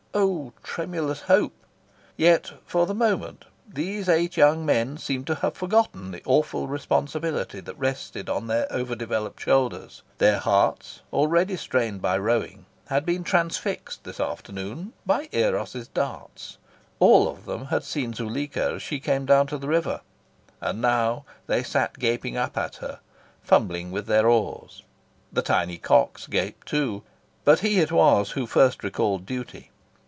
Oh tremulous hope! Yet, for the moment, these eight young men seemed to have forgotten the awful responsibility that rested on their over developed shoulders. Their hearts, already strained by rowing, had been transfixed this afternoon by Eros' darts. All of them had seen Zuleika as she came down to the river; and now they sat gaping up at her, fumbling with their oars. The tiny cox gaped too; but he it was who first recalled duty.